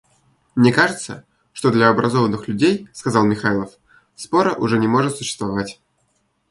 Мне кажется, что для образованных людей, — сказал Михайлов, — спора уже не может существовать.